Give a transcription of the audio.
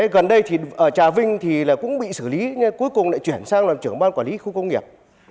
gần đây thì ở trà vinh thì cũng bị xử lý cuối cùng lại chuyển sang làm trưởng ban quản lý khu công nghiệp